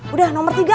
udah nomor tiga